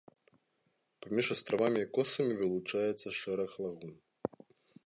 Паміж астравамі і косамі вылучаецца шэраг лагун.